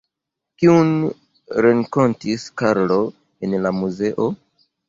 Kiun renkontis Karlo en la muzeo?